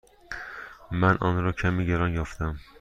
من آن را کمی گران یافتم.